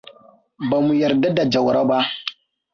Ba mu yarda da Jauro ba.